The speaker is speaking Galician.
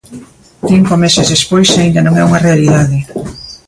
Cinco meses despois aínda non é unha realidade.